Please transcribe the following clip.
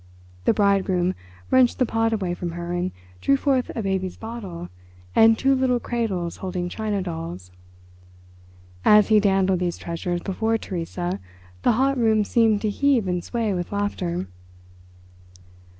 The bridegroom wrenched the pot away from her and drew forth a baby's bottle and two little cradles holding china dolls. As he dandled these treasures before Theresa the hot room seemed to heave and sway with laughter.